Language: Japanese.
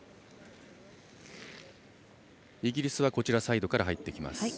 イギリスはこちらサイドから入ってきます。